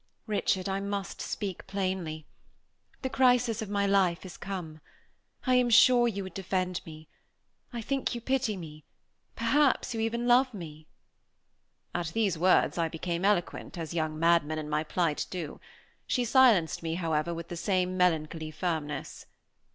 "Richard, I must speak plainly. The crisis of my life has come. I am sure you would defend me. I think you pity me; perhaps you even love me." At these words I became eloquent, as young madmen in my plight do. She silenced me, however, with the same melancholy firmness.